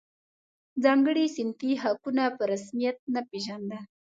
ځانګړي صنفي حقونه په رسمیت نه پېژندل.